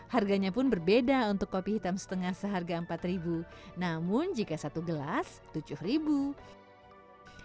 harganya pun berbeda untuk kopi hitam setengah seharga rp empat namun jika satu gelas rp tujuh